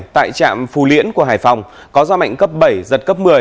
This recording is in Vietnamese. tại trạm phù liễn của hải phòng có gió mạnh cấp bảy giật cấp một mươi